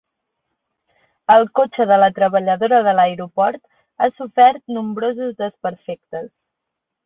El cotxe de la treballadora de l'aeroport ha sofert nombrosos desperfectes